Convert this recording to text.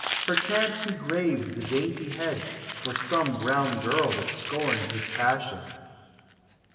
Perchance he graved the dainty head For some brown girl that scorned his passion.